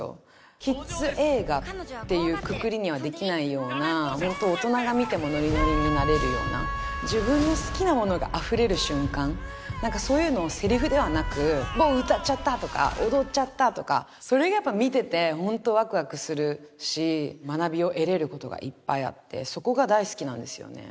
キッズ映画っていうくくりにはできないようなホント大人が見てもノリノリになれるような自分の好きなものがあふれる瞬間なんかそういうのをセリフではなくもう歌っちゃったとか踊っちゃったとかそれがやっぱ見ててホントワクワクするし学びを得られることがいっぱいあってそこが大好きなんですよね